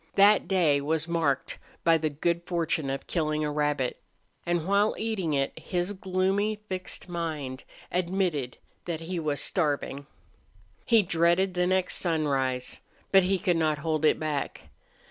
That day was marked by the good fortune of killing a rabbit, and while eating it his gloomy, fixed mind admitted that he was starving. He dreaded the next sunrise. But he could not hold it back.